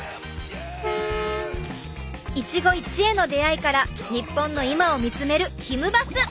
一期一会の出会いから日本の今を見つめる「ひむバス！」